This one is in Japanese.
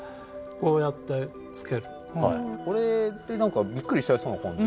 これってなんかびっくりしちゃいそうな感じねしましたけど。